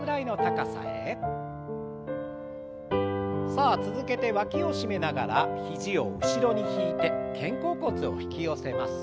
さあ続けてわきを締めながら肘を後ろに引いて肩甲骨を引き寄せます。